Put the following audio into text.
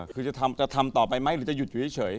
คือจะทำต่อไปไหมหรือจะหยุดอยู่เฉย